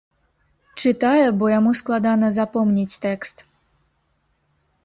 Чытае, бо яму складана запомніць тэкст.